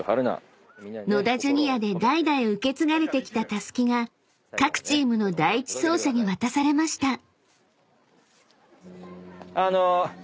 ［野田ジュニアで代々受け継がれてきたたすきが各チームの第１走者に渡されました］